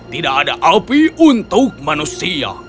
tidak ada api untuk manusia